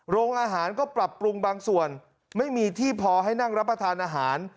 โรงอาหารก็ปรับปรุงบางส่วนไม่มีที่พอให้นั่งรับประทานอาหาร